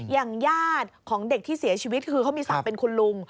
อย่างญาติของเด็กที่เสียชีวิตคือเขามีศักดิ์เป็นคุณลุง